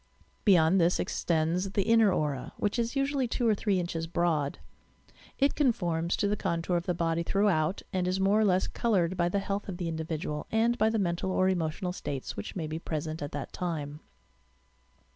Beyond this extends the "inner aura," which is usu ally two or three inches broad. It conforms to the con tour of the body throughout and is more or less coloured by the health of the individual and by the mental or emotional states, which may be present at that time.